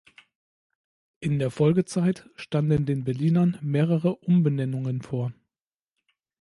In der Folgezeit standen den Berlinern mehrere Umbenennungen bevor.